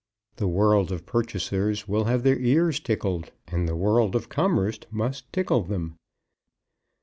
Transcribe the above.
The world of purchasers will have their ears tickled, and the world of commerce must tickle them.